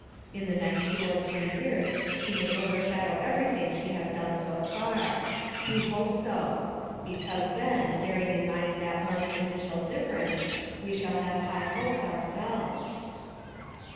In the next two or three years she may overshadow everything she has done so far. We hope so. Be cause then, bearing in mind that month's initial dif ference, we shall have high hopes ourselves!